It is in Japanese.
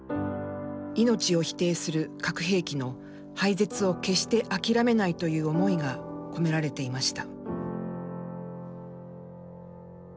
命を否定する核兵器の廃絶を決して諦めないという思いが込められていました。